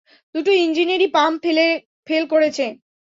দুটো ইঞ্জিনেরই pump fail করেছে!